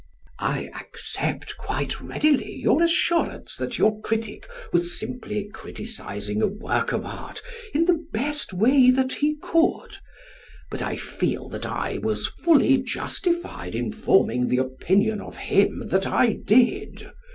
I accept quite readily your assurance that your critic was simply criticising a work of art in the best way that he could, but I feel that I was fully justified in forming the opinion of him that I did.